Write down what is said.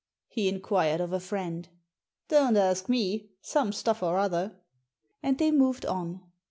he inquired of a friend. " Don't ask me. Some stuff or other." And they moved on.